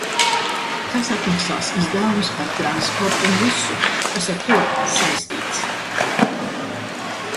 Kas atmaksās izdevumus par transportu un visu, kas ar to saistīts?